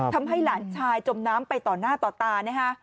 ทำให้หลานชายจมน้ำไปต่อหน้าต่อตานะฮะ